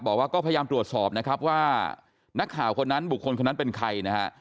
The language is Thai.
บอกว่าก็พยายามตรวจสอบนะครับว่านักข่าวคนนั้นบุคคลคนนั้นเป็นใครนะฮะ